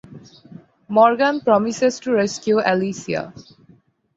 Morgan promises to rescue Alicia.